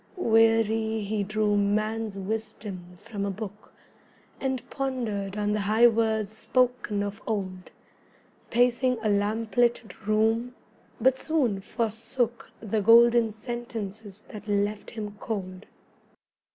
Weary, he drew man's wisdom from a book, And pondered on the high words spoken of old, Pacing a lamplit room: but soon forsook The golden sentences that left him cold.